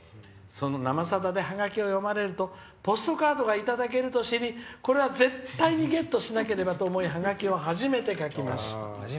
『生さだ』でハガキが読まれるとポストカードがいただけると知り、これは絶対にゲットしなければと思いハガキを初めて書きました」。